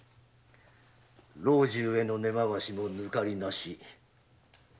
老中への根回しも抜かりなし。